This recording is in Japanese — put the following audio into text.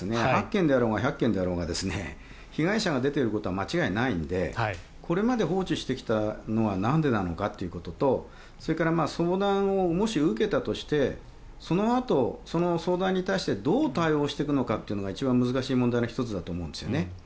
８件であろうが１００件であろうが被害者が出ていることは間違いないのでこれまで放置してきたのはなんでなのかということとそれから相談をもし受けたとしてそのあとその相談に対してどう対応していくのかというのが一番難しい問題の１つだと思うんですね。